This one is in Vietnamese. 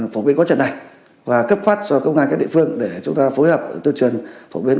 phổ biến quá trình này và cấp phát cho công an các địa phương để chúng ta phối hợp tuyên truyền phổ biến